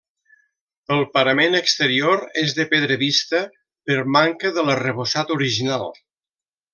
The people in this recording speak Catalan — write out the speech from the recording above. El parament exterior és de pedra vista, per manca de l'arrebossat original.